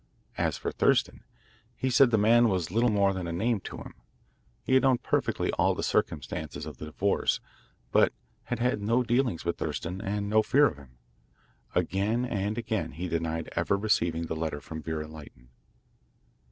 As for Thurston, he said the man was little more than a name to him. He had known perfectly all the circumstances of the divorce, but had had no dealings with Thurston and no fear of him. Again and again he denied ever receiving the letter from Vera Lytton.